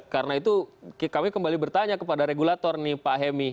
karena itu kami kembali bertanya kepada regulator nih pak hemi